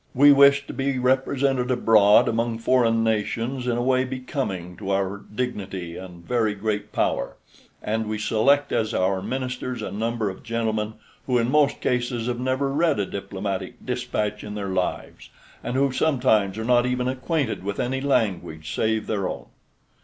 We wish to be represented abroad among foreign nations in a way becoming to our dignity and very great power, and we select as our ministers a number of gentlemen who in most cases have never read a diplomatic dispatch in their lives, and who sometimes are not even acquainted with any language save their own.